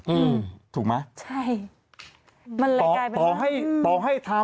อืมถูกไหมใช่มันไหล่ไล่มันต่อให้